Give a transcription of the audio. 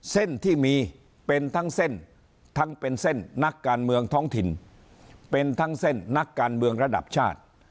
เส้นที่มีเป็นทั้งเส้นทั้งเป็นเส้นนักการเมืองท้องถิ่นเป็นทั้งเส้นนักการเมืองระดับชาติ